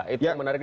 itu yang menarik